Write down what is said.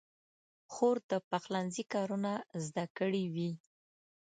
خور د پخلنځي کارونه زده کړي وي.